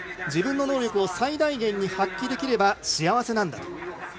自分の能力を最大限に発揮できれば幸せなんだと。